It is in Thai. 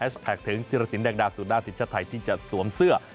จึงธิรสินแดกดาสุนาธิชชาไทยที่จะสวมเสื้อ